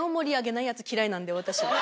なんで私。